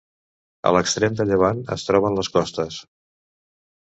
A l'extrem de llevant es troben les Costes.